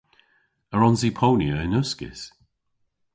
A wrons i ponya yn uskis?